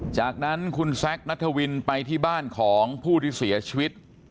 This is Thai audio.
จากนั้นคุณแซคนัทวินไปที่บ้านของผู้ที่เสียชีวิต